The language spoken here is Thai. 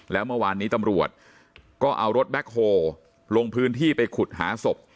แล้วเมื่อวานนี้ตำรวจก็เอารถแบ็คโฮลงพื้นที่ไปขุดหาศพ